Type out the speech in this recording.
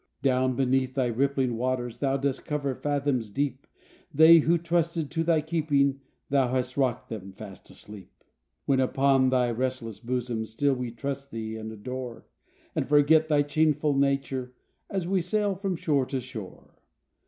Down beneath thy rippling waters, Thou dost cover fathoms deep They who trusted to thy keeping, Thou hast rocked them fast asleep. LIFE WAVES 41 When upon thy restless bosom Still we trust thee, and adore, And forget thy changeful nature, As we sail from shore to shore.